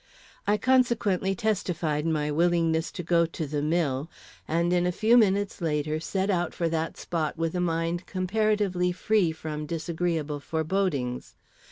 I consequently testified my willingness to go to the mill, and in a few minutes later set out for that spot with a mind comparatively free from disagreeable forebodings.